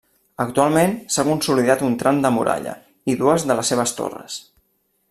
Actualment s'ha consolidat un tram de muralla i dues de les seves torres.